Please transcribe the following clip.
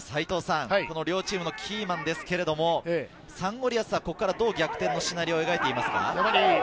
両チームのキーマンですけれど、サンゴリアスはここからどう逆転のシナリオを描いていますか？